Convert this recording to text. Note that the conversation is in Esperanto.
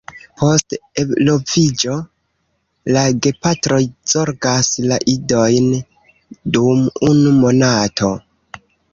Post eloviĝo la gepatroj zorgas la idojn dum unu monato.